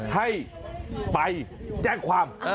ให้ไปแจ้งความ